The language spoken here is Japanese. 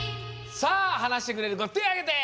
さあはなしてくれるこてあげて！